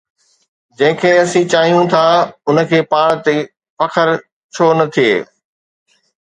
جنهن کي اسين چاهيون ٿا، ان کي پاڻ تي فخر ڇو نه ٿئي؟